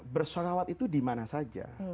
bersholawat itu dimana saja